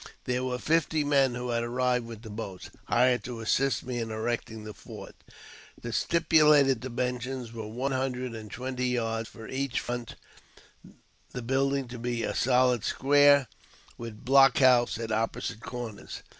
There were fifty men, who had arrived with the boats, hired to assist me in erecting the fort. The stipulated dimensions were one hundred and twenty yards for each front, the building to be a solid square, with a block house at opposite corners.